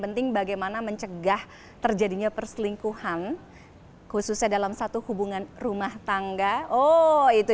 penting bagaimana mencegah terjadinya perselingkuhan khususnya dalam satu hubungan rumah tangga oh itu